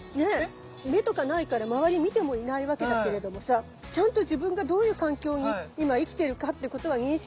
目とかないから周り見てもいないわけだけれどもさちゃんと自分がどういう環境に今生きてるかってことは認識してて。